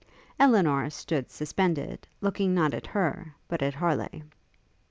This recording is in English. Elinor stood suspended, looking not at her, but at Harleigh.